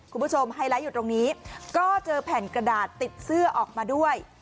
ไฮไลท์อยู่ตรงนี้ก็เจอแผ่นกระดาษติดเสื้อออกมาด้วย